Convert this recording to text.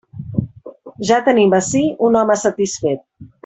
Ja tenim ací un home satisfet.